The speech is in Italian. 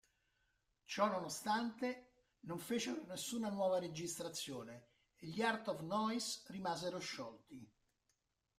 Ciononostante, non fecero nessuna nuova registrazione, e gli Art of Noise rimasero sciolti.